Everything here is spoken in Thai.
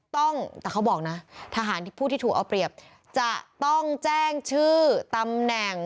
ต้องแต่เขาบอกนะทหารผู้ที่ถูกเอาเปรียบจะต้องแจ้งชื่อตำแหน่ง